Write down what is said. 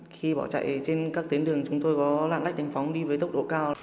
khi bỏ chạy trên các tiến đường chúng tôi có lạng lách đánh võng đi với tốc độ cao